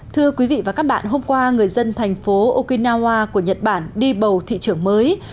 thưa quý vị và các bạn hôm qua người dân thành phố okinawa của nhật bản đi bầu thị trưởng mới